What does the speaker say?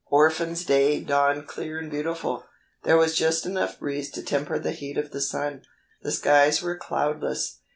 "Orphans' Day" dawned clear and beautiful. There was just enough breeze to temper the heat of the sun. The skies were cloudless.